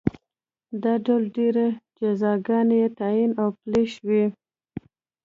دا ډول ډېرې جزاګانې تعین او پلې شوې.